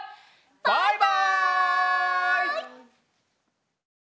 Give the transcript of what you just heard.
バイバイ！